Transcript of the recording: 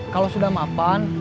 kalau sudah mapan